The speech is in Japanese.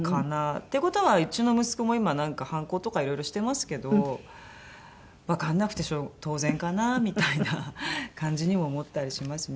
っていう事はうちの息子も今反抗とかいろいろしてますけどわかんなくて当然かなみたいな感じにも思ったりしますね。